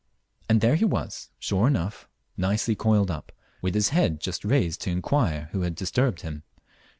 And there he was, sure enough, nicely coiled up, with his head just raised to inquire who had disturbed him.